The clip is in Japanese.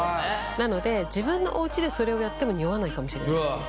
なので自分のおうちでそれをやってもにおわないかもしれないですね。